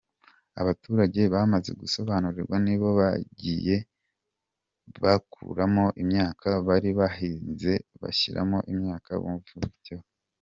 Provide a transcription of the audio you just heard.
Abaturage bamaze gusobanurirwa ni bo bagiye bakuramo imyaka bari bahinze bashyiramo imyaka bumvikanyeho”.